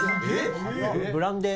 ブランデー？